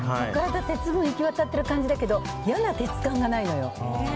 鉄分が行きわたってる感じだけど嫌な鉄感がないのよ。